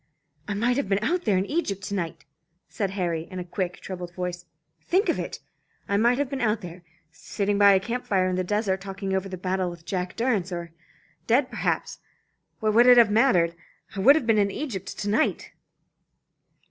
"I might have been out there in Egypt to night," said Harry, in a quick troubled voice. "Think of it! I might have been out there, sitting by a camp fire in the desert, talking over the battle with Jack Durrance; or dead perhaps. What would it have mattered? I might have been in Egypt to night!"